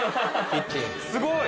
すごい！